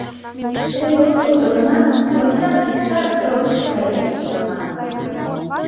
«Тый от колто гынат, мый так и так фронтышко каем», — манам.